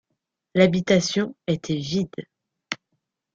L’habitation était vide